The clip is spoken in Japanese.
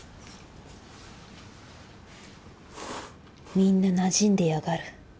みんななじんでやがる。